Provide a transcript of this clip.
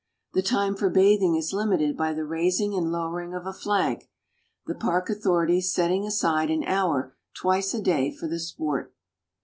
The time for bathing is limited by the raising and lowering of a flag, the park authorities setting aside an hour twice a day for the sport.